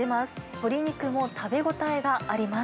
鶏肉も食べ応えがあります。